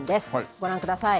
ご覧ください。